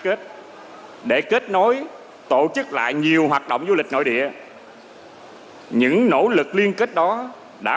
kết để kết nối tổ chức lại nhiều hoạt động du lịch nội địa những nỗ lực liên kết đó đã